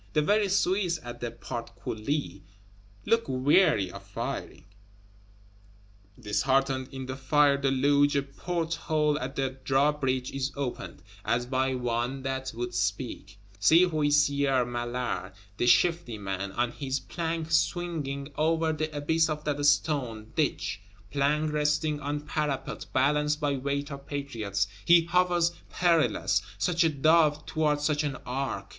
The very Swiss at the Portcullis look weary of firing; disheartened in the fire deluge; a port hole at the drawbridge is opened, as by one that would speak. See Huissier Maillard, the shifty man! On his plank swinging over the abyss of that stone Ditch; plank resting on parapet, balanced by weight of Patriots, he hovers perilous; such a Dove toward such an Ark!